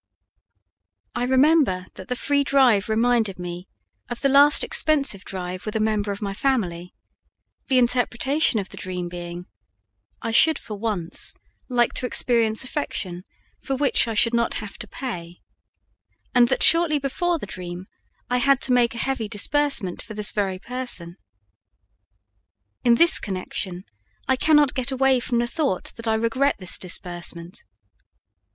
I remember that the free drive reminded me of the last expensive drive with a member of my family, the interpretation of the dream being: I should for once like to experience affection for which I should not have to pay, and that shortly before the dream I had to make a heavy disbursement for this very person. In this connection, I cannot get away from the thought that I regret this disbursement.